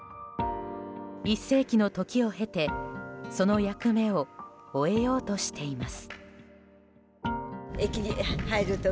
１世紀の時を経て、その役目を終えようとしています。